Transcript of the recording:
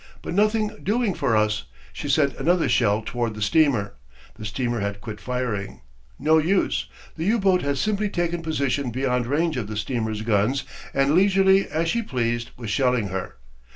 But nothing doing for us. She sent another shell toward the steamer. The steamer had quit firing. No use. The U boat had simply taken position beyond range of the steamer's guns and leisurely as she pleased was shelling her.